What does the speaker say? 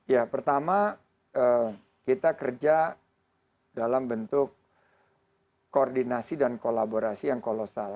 ya pertama kita kerja dalam bentuk koordinasi dan kolaborasi yang kolosal